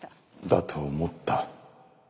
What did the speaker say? だと思った。